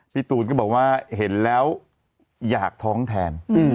พี่ตูนก็บอกว่าเห็นแล้วอยากท้องแทน